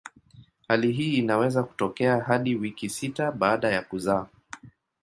Hali hii inaweza kutokea hadi wiki sita baada ya kuzaa.